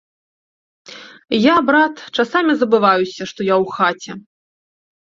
Я, брат, часамі забываюся, што я ў хаце.